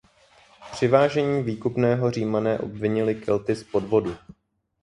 Při vážení výkupného Římané obvinili Kelty z podvodu.